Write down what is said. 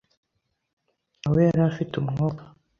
na we yari afite umwuka